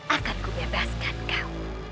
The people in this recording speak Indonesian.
akanku bebaskan kau